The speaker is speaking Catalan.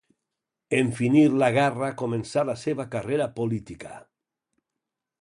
En finir la guerra començà la seva carrera política.